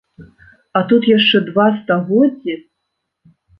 А тут яшчэ два стагоддзі!